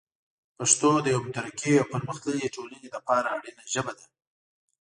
پښتو د یوه مترقي او پرمختللي ټولنې لپاره اړینه ژبه ده.